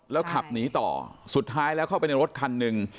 แล้วขับหนีต่อสุดท้ายแล้วเข้าไปในรถคันหนึ่ง